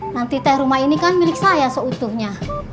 nanti teh rumah ini kan milik saya seutuhnya